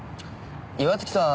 岩月さん